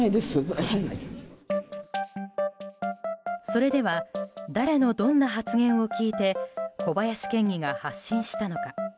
それでは誰のどんな発言を聞いて小林県議が発信したのか。